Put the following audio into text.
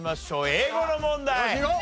英語の問題。